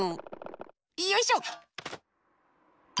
よいしょ！